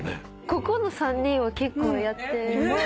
ここの３人は結構やって。